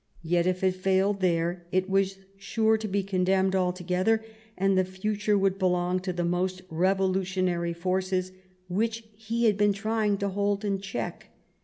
Yet if it failed there it was sure to be condemned altogether, and the future would belong to the more revolutionary forces which he had been trying to hold in check.